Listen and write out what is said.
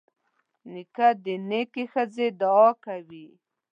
نیکه د نیکې ښځې دعا کوي.